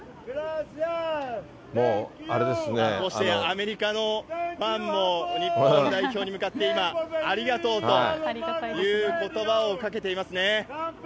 こうしてアメリカのファンも、日本代表に向かって、今、ありがとうということばをかけていますね。